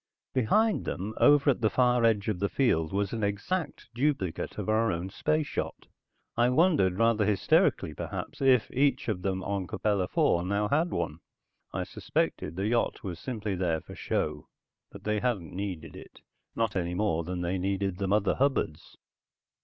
Behind them, over at the far edge of the field, was an exact duplicate of our own space yacht. I wondered, rather hysterically perhaps, if each of them on Capella IV now had one. I suspected the yacht was simply there for show, that they hadn't needed it, not any more than they needed the mother hubbards.